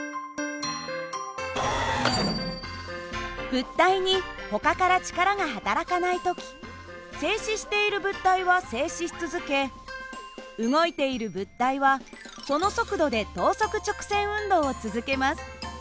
物体にほかから力がはたらかない時静止している物体は静止し続け動いている物体はその速度で等速直線運動を続けます。